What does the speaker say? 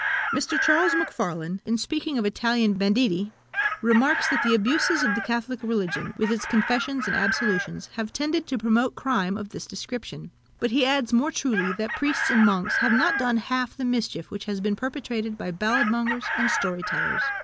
Mr. Charles Macfarlane, in speaking of Italian banditti, remarks, that the abuses of the Catholic religion, with its confessions and absolutions, have tended to promote crime of this description. But he adds more truly, that priests and monks have not done half the mischief which has been perpetrated by ballad mongers and story tellers.